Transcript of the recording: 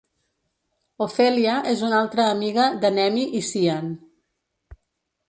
Ophelia és una altra amiga de Nemi i Cyan.